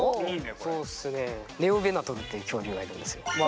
そうっすねネオヴェナトルという恐竜がいるんですよ。